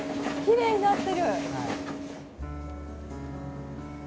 きれいになってる！